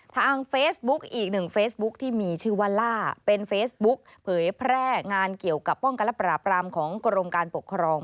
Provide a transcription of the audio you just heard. ทางเฟซบุ๊กอีกหนึ่งเฟซบุ๊คที่มีชื่อว่าล่าเป็นเฟซบุ๊กเผยแพร่งานเกี่ยวกับป้องกันและปราบรามของกรมการปกครอง